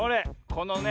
このね